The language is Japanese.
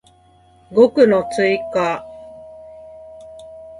語句の追加